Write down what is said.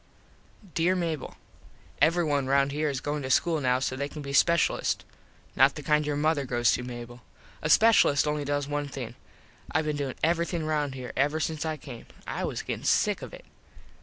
_ Dere Mable: Everyone round here is goin to school now so they can be speshulists. Not the kind your mother goes to, Mable. A speshulist only does one thing. I been doin everything round here ever since I came. I was gettin sick of it.